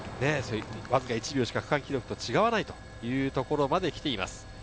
わずか１秒しか区間記録と変わらないというところまできています。